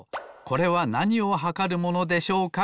「これはなにをはかるものでしょうか？